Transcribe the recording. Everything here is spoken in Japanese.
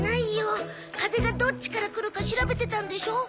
風がどっちから来るか調べてたんでしょう？